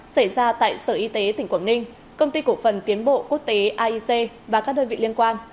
xảy ra tại sở y tế tỉnh quảng ninh công ty cổ phần tiến bộ quốc tế aic và các đơn vị liên quan